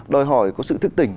đòi hỏi có sự thức tỉnh